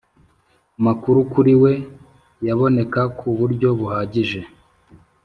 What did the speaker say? amakuru kuri we yaboneka ku buryo buhagije.